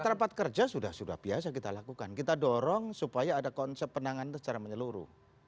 rapat kerja sudah sudah biasa kita lakukan kita dorong supaya ada konsep penanganan secara menyeluruh